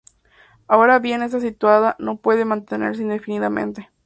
Ahora bien esta situación no puede mantenerse indefinidamente.